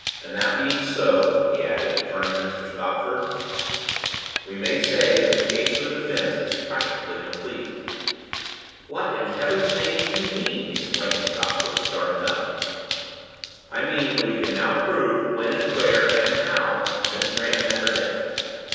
And that being so," he added, turning to Mr. Stopford, "we may say that the case for the defence is practically complete." "What, in Heaven's name, do you mean?" exclaimed Stopford, starting up. "I mean that we can now prove when and where and how Miss Grant met her death.